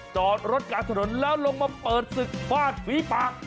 จอดรถกลางถนนแล้วลงมาเปิดศึกฟาดฝีปาก